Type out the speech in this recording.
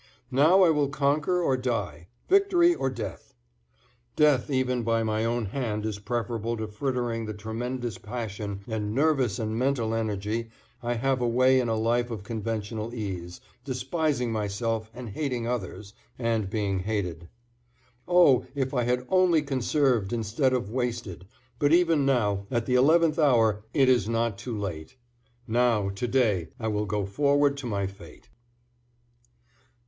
Now I will conquer or die, victory or death. Death even by my own hand is preferable to frittering the tremendous passion and nervous and mental energy I have away in a life of conventional ease, despising myself and hating others, and being hated. Oh! if I had only conserved instead of wasted, but even now at the eleventh hour it is not too late. Now, to day, I will go forward to my fate.